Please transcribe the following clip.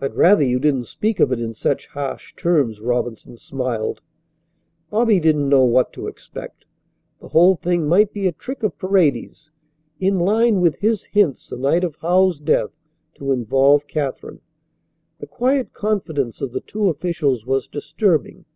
"I'd rather you didn't speak of it in such harsh terms," Robinson smiled. Bobby didn't know what to expect. The whole thing might be a trick of Paredes, in line with his hints the night of Howells's death, to involve Katharine. The quiet confidence of the two officials was disturbing.